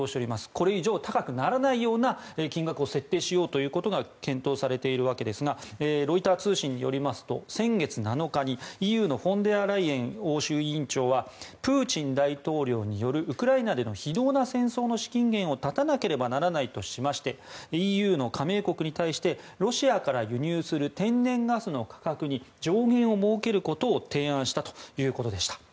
これ以上高くならないような金額を設定しようということが検討されているわけですがロイター通信によりますと先月７日にＥＵのフォンデアライエン欧州委員長はプーチン大統領によるウクライナでの非道な戦争の資金源を断たなければならないとしましてＥＵの加盟国に対してロシアから輸入する天然ガスの価格に上限を設けることを提案したということでした。